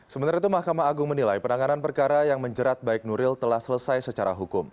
sementara itu mahkamah agung menilai penanganan perkara yang menjerat baik nuril telah selesai secara hukum